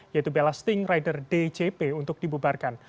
yaitu belasting rider dcp untuk dibubarkan